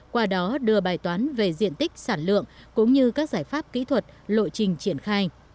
qua đó đưa bài toán về diện tích sản lượng cũng như các giải pháp kỹ thuật lộ trình triển khai